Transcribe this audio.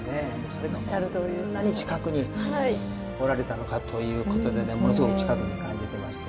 それがこんなに近くにおられたのかということでねものすごく近くに感じてまして。